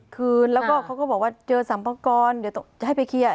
คืนแล้วก็เขาก็บอกว่าเจอสัมปกรณ์เดี๋ยวจะให้ไปเคลียร์